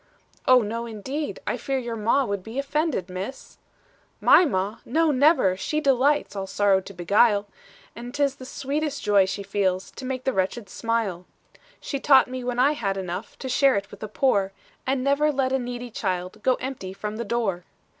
'Oh, no, indeed I fear your ma Would be offended, Miss.' "'My ma! no, never; she delights All sorrow to beguile; And 't is the sweetest joy she feels, To make the wretched smile. "'She taught me when I had enough, To share it with the poor; And never let a needy child, Go empty from the door.